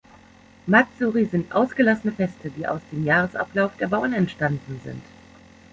Matsuri sind ausgelassene Feste, die aus dem Jahresablauf der Bauern entstanden sind.